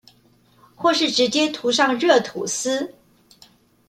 或是直接塗上熱吐司